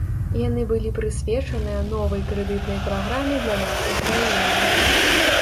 Яны былі прысвечаныя новай крэдытнай праграме для нашай краіны.